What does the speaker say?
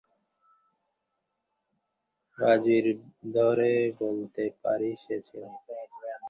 বাজি ধরে বলতে পারি সে ছিল।